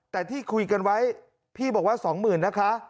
แต่ที่คุยกันไว้พี่บอกว่า๒๐๐๐นะคะ